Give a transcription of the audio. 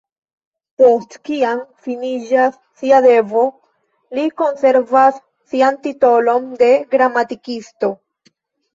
Post kiam, finiĝas sia devo, li konservas sian titolon de "Gramatikisto".